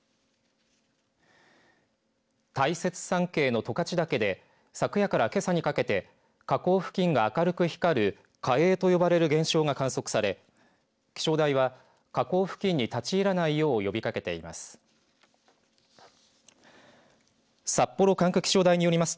大雪山系の十勝岳で昨夜からけさにかけて火口付近が明るく光る火映と呼ばれる現象が観測され、気象台は火口付近に立ち入らないよう呼びかけでいます。